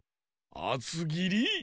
あつぎり？